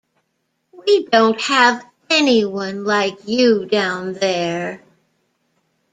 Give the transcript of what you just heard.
We don't have anyone like you down there.